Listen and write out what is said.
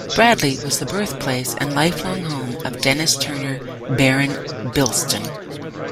Bradley was the birthplace and lifelong home of Dennis Turner, Baron Bilston.